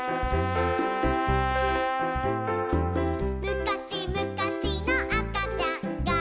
「むかしむかしのあかちゃんが」